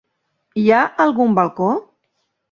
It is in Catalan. Hi ha algun balcó?